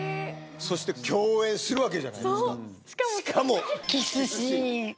そして、共演するわけじゃないですか。